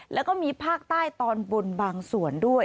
แล้วก็มีภาคใต้ตอนบนบางส่วนด้วย